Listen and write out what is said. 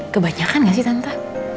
kebanyakan gak sih tante